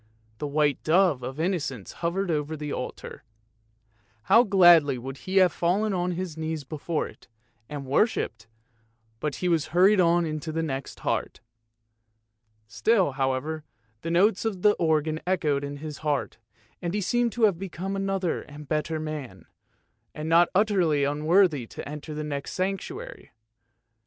The white dove of Innocence hovered over the altar. How gladly would he have fallen on his knees before it, and worshipped, but he was hurried on into the next heart. Still, however, the notes of the organ echoed in his heart, and he seemed to have become another and a better man, and not utterly unworthy to enter the next sanctuary.